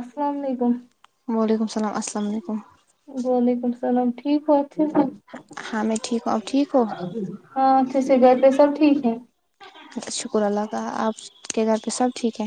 السلام علیکم وعلیکم السلام السلام علیکم وعلیکم السلام ٹھیک ہو اچھے سے ہاں میں ٹھیک ہوں آپ ٹھیک ہو ہاں اچھے سے گھر پہ سب ٹھیک ہے شکر اللہ کا آپ کے گھر پہ سب ٹھیک ہے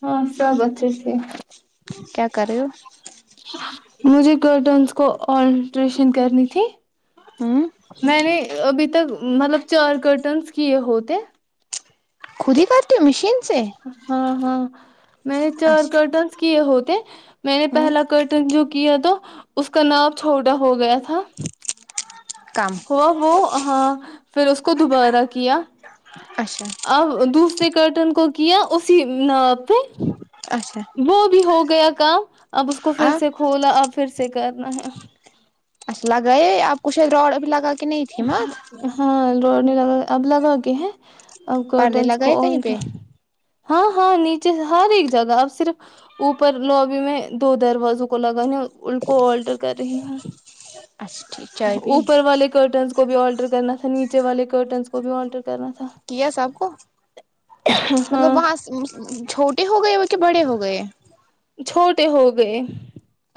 ہاں سب اچھے سے کیا کر رہے ہو مجھے کرٹنس کو آلٹریشن کرنی تھی ہوں میں نے ابھی تک مطلب چار کرٹنس کیے ہوتے خود ہی کرتی مشین سے ہاں ہاں میں نے چار اچھا کرٹنس کیے ہوتے میں نے ہوں پہلا کرٹ ٹرن جو کیا تھا اس کا نام چھوٹا ہو گیا تھا کم ہوا وہ ہاں پھر اس کو دوبارہ کیا اچھا اب دوسرے کرٹن کو کیا اسی نا پہ اچھا وہ بھی ہو گیا کام اب اس کو پھر سے آپ کھولا اب پھر سے کرنا ہے اچھا لگا آپ کچھ روڈ اب لگا کہ نہیں تھی مت ہاں لوڑنے لگا اب لگا کے ہیں اب پردے کرڈنس کو لگائے کہیں آٹ پہ ہاں ہاں نیچے سے ہر ایک جگہ اب صرف اوپر لوبی میں دو دروازوں کو لگانے ان کو آولٹر کر رہی ہوں [unintelligible] اچھا ٹھیک چائے پی اوپر والے کرٹنس کو بھی آلٹر کرنا تھا نیچے والے کرٹنس کو بھی آلٹر کرنا تھا کیا سب کو مطلب ہاں وہاں چھوٹے ہو گئے ہو کہ بڑے ہو گئے ہے چھوٹے ہو گئے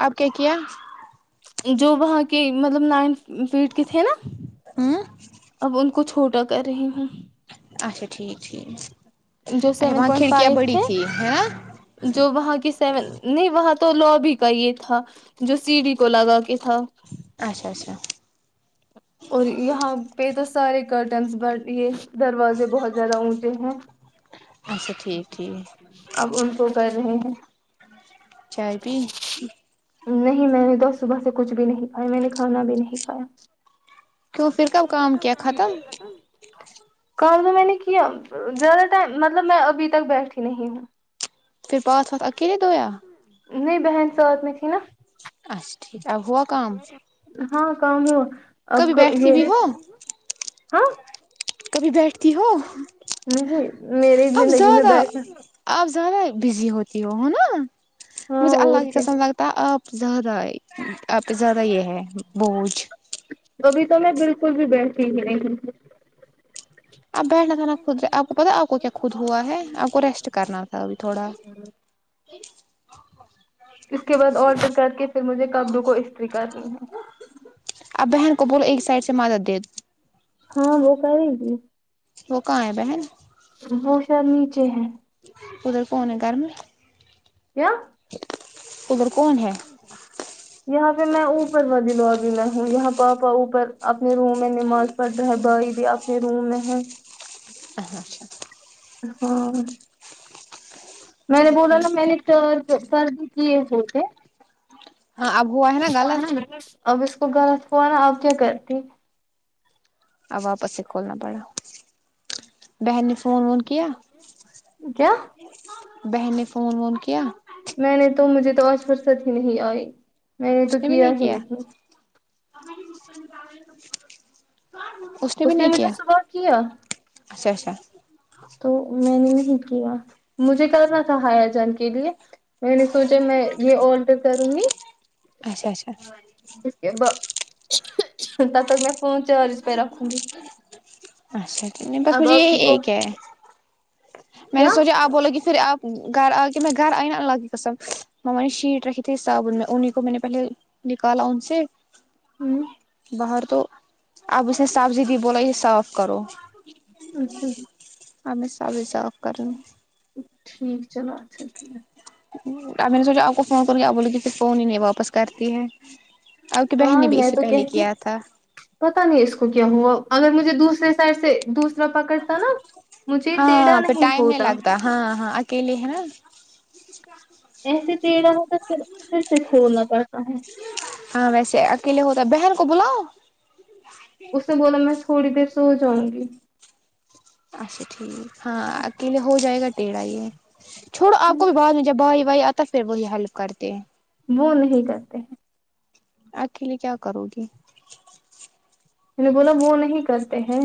آپ کیا کیا جو وہاں کے مطلب نائن فیٹ کے تھے نا ہوں اب ان کو چھوٹا کر رہی ہوں اچھا ٹھیک ٹھیک جو سیون وہاں پوائنٹ کھڑکیاں فائیو بڑی تھے تھی ہے نا جو وہاں کی سیون نہیں وہاں تو لوبی کا یہ تھا جو سی ڈی کو لگا کے تھا اچھا اچھا اور یہاں پہ تو سارے کرٹنس بٹ یہ دروازے بہت زیادہ اونچے ہیں اچھا ٹھیک ٹھیک اب ان کو کر رہے ہیں چائے پی نہیں میں نے توس صبح سے کچھ بھی نہیں کھا میں نے کھانا بھی نہیں کھایا کیوں پھر کب کام کیا ختم کام تو میں نے کیا زیادہ ٹائم مطلب میں ابھی تک بیٹھی نہیں ہوں پھر پس وس اکیلے دھویا نہیں بہن ساتھ میں تھی نا اچھا ٹھیک اب ہوا کام ہاں کم ہاں آب کبھی بیٹھتی یہ بھی ہو ہاں کبھی بیٹھتی ہو نہیں میری اب زندگی میں زیادہ بیٹھنا آپ زیادہ بزی ہوتی ہو ہو نا ہاں مجھے اور اللہ کی کیا قسم لگ تا آپ زیادہ آپ زیادہ یہ ہے بوجھ کبھی تو میں بالکل بھی بیٹھتی ہی نہیں آپ بیٹھنا تھا نا خود سے آپ کو پتا آپ کو کیا خود ہوا ہے آپ کو ریسٹ کرنا تھا ابھی تھوڑا [unintelligible] اس کے بعد الٹر کر کے پھر مجھے کبڈو کو استری کرنی ہے اب بہن کو بولو ایک سائڈ سے مدد دے ہاں وہ کرے گی وہ کہاں ہے بہن وہ شاید نیچے ہے ادھر فون ہے گھر میں کیا ادھر کون ہے یہاں پہ میں اوپر و دلوں اب میں ہوں یہاں پاپا اوپر اپنے روم میں نماز پڑ رہے بھائی بھی اپنے روم میں ہے اہن اچھا ہاں میں نے چلو بولا ٹھیک نا میں نے سار سر بھی کیے ہوتے ہاں اب ہوا ہے نا غلط اب اس کو غلط ہوا نا اب کیا کرتی اب واپس سے کھولنا پڑا بہن نے فون وون کیا کیا بہن نے فون وون کیا میں نے تو مجھے تو آج فرصت ہی نہیں آئی میں نے اس تو کے بھی نہیں ہی کیا اس نے بھی نہیں کیا مجھے صبح کیا اچھا اچھا تو میں نے نہیں کیا مجھے کرنا تھا ہایا جان کے لیے میں نے سوچا میں یہ آڈر کروں گی اچھا اچھا اس کے ب تب تک میں فون چارج پہ رکھوں گی اچھا نہیں بس اب مجھے آپ یہی کی کو ایک ہے میں نے کیا سوچا آپ بولو گی پھر آپ گھر آکے میں گھر آئ نا الله کی قسم معمہ نے شیٹ رکھی تھی سبون میں ان ہی کو میں نے پہلے نکالا ان سے ہوں باہر تو اب اس نے سبزی دی بولا یہ صاف کرو اچھا اب میں سب ہے صاف کر رہی ہو ٹھیک چلو اچھا ٹھیک اب میں نے سوچا آپ کو فون کر گی آپ بولے کہ پھر فون ہی نہیں واپس کرتی ہے آپ کی بہن ہاں نے بھی اس میں سے تو پہلے کہتی کیا تھا پتا نہیں اس کو کیا ہوا اگر مجھے دوسرے سائڈ سے دس را پکڑتا نا مجھے تیدرا ہاں پھر نہیں ٹائم ہوتا لگتا ہاں ہاں اکیلے ہے نا ایسے ٹیڑا ہوتا پھر پھر سے کھولنا پڑتا ہے ہاں ویسے اکیلے ہوتا بہن کو بلاؤ اس نے بولا میں تھوڑی دیر سو جاؤں گی اچھا ٹھیک ہاں اکیلے ہو جائے گا ٹیڑھا یہ چھوڑو آپ کو بھی بعد میں جب بھائی وائی آتا ہے پھر وہی ہیلپ کرتے ہیں وہ نہیں کرتے ہیں اکیلے کیا کرو گی میں نے بولا وہ نہیں کرتے ہیں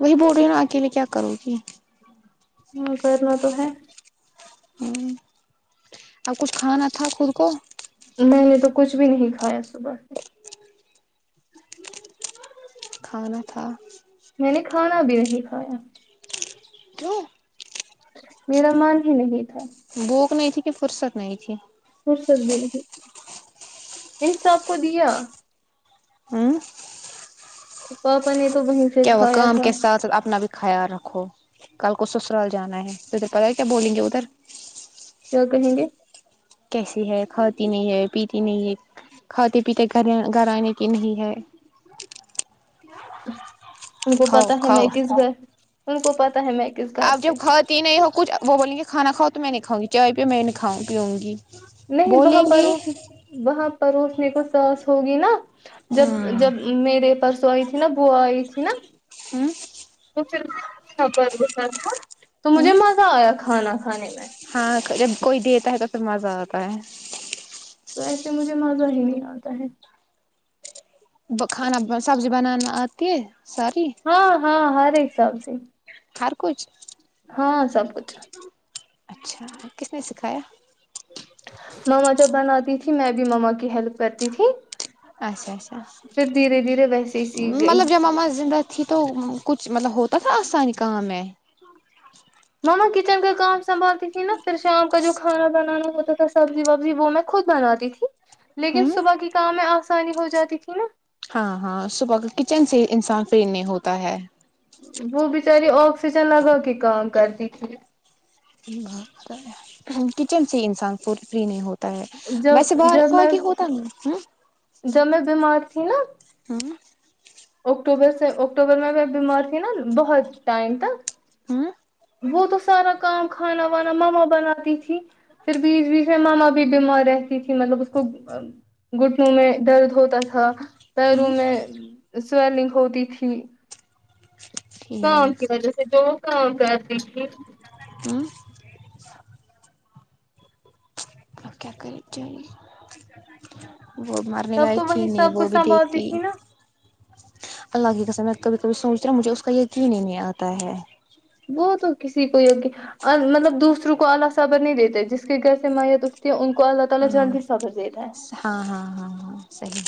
وہی بول رہی نا اکیلےکیا کرو گی ہاں کرنا تو ہے ہوں اب کچھ کھانا تھا خود کو میں نے تو کچھ بھی نہیں کھایا صبح سے کھانا تھا میں نے کھانا بھی نہیں کھایا کیوں میرا من ہی نہیں تھا بھوک نہیں تھی کہ فرصت نہیں تھی فرصت بھی نہیں تھی ان سب کو دیا ہوں پاپا نے تو ب کیا وہ کام کے ساتھ اپنا بھی خیال رکھو کل کو سسرال جانا ہے ت تو کیا بولیں گے ادھر کیا کہیں گے کیسی ہے کھاتی نہیں ہے پیتی نہیں ہے کھاتے پیتے گھر گھر آنے کے نہیں ہے ان کو کھاؤ پتا ہے میں کھاؤ کس گھر ان کو پتا ہے میں کس گھر آپ جب سے کھاتی نہیں ہو کچھ وہ بولیں گے کھانا کھاؤ تو میں نہیں کھاؤں گی چائے پیو میں نہیں کھاؤں پیوں گی نہیں وہاں بولیں گے پروس وہاں پروسنے کو ساس ہوگی نا جب ہوں جب میرے پرسوں آئی تھی نا بوا آئی تھی نا ہوں تو پھر سے [unintelligible] تھا تو مجھے ہوں مزہ آیا کھانا کھانے میں ہاں جب کوئی دیتا ہے تو پھر مزہ آتا ہے تو ایسے مجھے مزہ ہی نہیں آتا ہے ب کھانا سبزی بنانا آتی ہے ساری ہاں ہاں ہر ایک سبزی ہر کچھ ہاں سب کچھ اچھا کس نے سکھایا مما جب بناتی تھی میں بھی مما کی ہیلپ کرتی تھی اچھا اچھا پھر دھیرے دھیرے ویسے ہی سیکھ گئی مطلب جب مما زندہ تھی تو کچھ مطلب ہوتا تھا آسانی کام میں مما کچن کا کام سنبھالتی تھی نا پھر شام کا جو کھانا بنانا ہوتا تھا سبزی وبزی وہ میں خود بناتی تھی لیکن ہوں صبح کے کام میں آسانی ہو جاتی تھی نا ہاں ہاں صبح کا کچن سے انسان فری نہیں ہوتا ہے وہ بچاری آکسیجن لگا کے کام کرتی تھی بھاگتا ہے ہ کچن سے انسان فوڈ پری نہیں ہوتا ہے جب ویسے باہر جب میں کی ہوتا نہیں جب میں بیمار تھی نا ہوں اکتوبر سے اکٹوبر میں بیمار تھی نا بہت ٹائم تک وہ تو سارا کام کھانا وانا ماما بناتی تھی پھر بیچ بیچ میں ماما بھی بیمار رہتی تھی مطلب اس کو گھٹنوں میں درد ہوتا تھا پیروں میں سویلنگ ہوتی تھی کام ٹھیک کی وجہ سے جو کام کرتی تھی ام اپ کیا کر چاہے وہ مرنے تب لائق تو تھی وہی نہیں سب وہ کو بھی سنبھالتی دیکھتی تھی نا اللہ کی کسم میں کبھی کبھی سوچتی ہوں مجھے اس کا یقین ہی نہیں آتا ہے وہ تو کسی کو یکی اور مطلب دوسروں کو اللہ صبر نہیں دیتے جس کی گھر سے میت اٹھتی ہے ان کو اللہ تعالی ہوں جلدی صبر دیتا ہے ہاں ہاں ہاں ہاں صحیح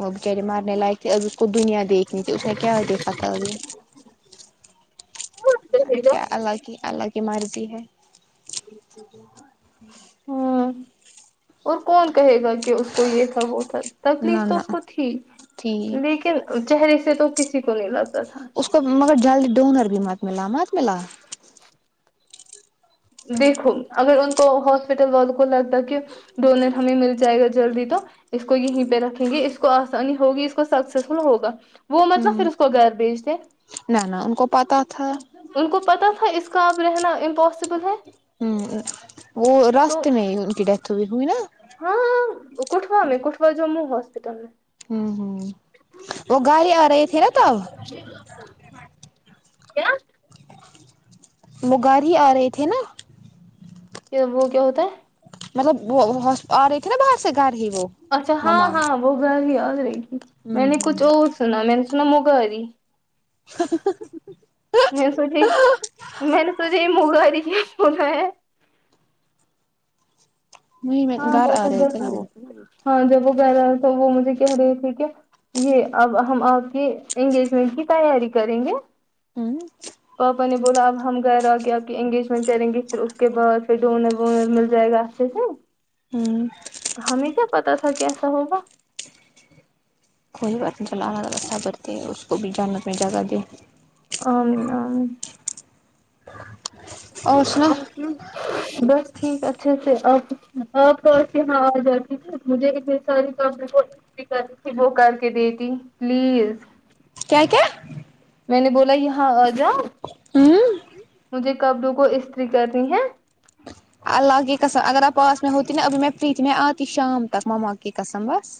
وہ بیچاری مرنے لائق تھے ابھی اس کو دنیا دیکھنی تھی اس نے کیا دیکھا تھا ابھی کون کہے گا، کیا اللہ کی اللہ کی مرضی ہے ہمم اور کون کہے گا کہ اس کو یہ تھا وہ تھا نہ تکلیف تو اس نہ کو تھی تھی لیکن چہرے سے تو کسی کو نہیں لگتا تھا اس مگر جلدی ڈونر بھی مت ملا مت ملا دیکھو اگر ان کو ہاسپٹل والوں کو لگتا کہ ڈونیٹ ہمیں مل جائے گا جلدی تو اس کو یہیں پہ رکھیں گے اس کو آسانی ہوگی اس کو سکسیسفل ہوگا وہ مت نہ پھر ہ اس کو گھر بھیجتے نہ نہ ان کو پتہ تھا ان کو پتہ تھا اس کا اب رہنا امپاسبل ہے ہوں وہ تو رستے میں ان کی ڈیتھ ہوئی ہوئی نا ہاں کٹھوا میں کٹھوا جم میں ہاسپٹل میں ہوں ہوں وہ گھر ہی آ رہے تھے نا تب کیا وہ گار ہی آ رہے تھے نا کہ وہ کیا ہوتا ہے مطلب وہ ہوس آ رے تھے نا باہر سے گھر ہی وہ اچھا ہاں مما ہاں وہ گھر ہی آ رہی تھی ہ میں نے کچھ ہ اور سنا میں نے سنا مگری میں سوچی میں نے سوجی مغااری براہ وہی میں ہاں گھر وہ آ رہے تھے نا وہ ہاں جب وہغہ رہا تو وہ مجھے کہہ رہے تھے کہ یہ اب ہم آپ کے انگیجمنٹ کی تیاری کریں گے ہوں پاپا نے بولا اب ہم گھر آ کے آپ کے انگیجمنٹ کریں گے پھر اس کے بعد پھر ڈونر وونر مل جائے گا اچھے سے ہوں ہمیں کیا پتہ تھا کیسا ہوگا کوئی بات نہیں چلا الگ صبر دے اس کو بھی جانت میں جگہ دے آمین آمین اور سنا ہاں [unintelligible] بس ٹھیک اچھے سے آپ آپ کے یہاں [unintelligible] آ جا یک مجھے س تو تھی [unintelligible] وہ کر کے دیتی پلیز کیا کیا میں نے بولا یہاں آجاؤ ہ مجھے کبڑو کو استری کرنی ہے اللہ کی قسم اگر آپ پاس میں ہوتی نا ابھی میں فری تھی میں آتی شام تک مما کی قسم بس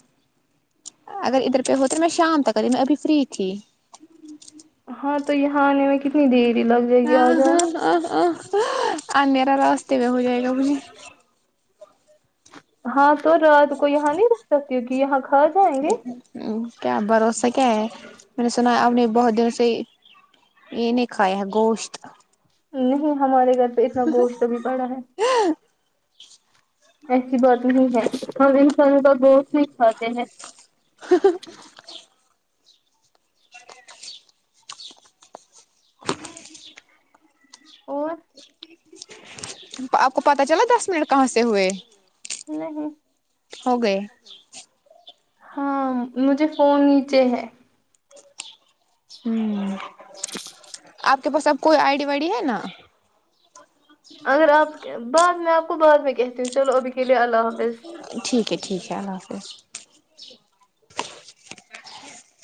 اگر ادھر پہ ہو تو میں شام تک ای میں ابھی فری تھی ہاں تو یہاں آنے میں کتنی دیری لگ جائے گی آج ہاں ہاں ہاں اندھیرا راستے میں ہو جائے گا مجھے ہاں تو رات کو یہاں نہیں رک سکتی کہ یہاں کھا جائیں گے ہمم کیا بھروسہ کیا ہے میں نے سنا اب نے بہت دنوں سے انے کھایا ہے گوشت نہیں ہمارے گھر پہ اتنا گوشت ابھی پڑا ہے ایسی بات نہیں ہے ہم انسانوں کا بہت نہیں کھاتے ہیں [unintelligible] [unintelligible] اور [unintelligible] آپ کو پتہ چلا دس منٹ کہاں سے ہوئے نہیں ہو گئے ہاں مجھے فون نیچے ہے ہمم آپ کے پاس اب کوئی آئی ڈی وئیڈی ہے نا اگر آپ بعد میں آپ کو بعد میں کہتی ہوں چلو ابھی کے لیے اللہ حافظ ٹھیک ہے ٹھیک ہے اللہ حافظ